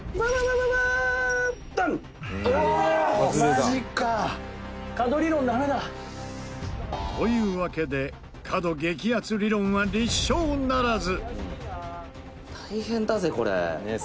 「マジか」というわけで角激アツ理論は立証ならず。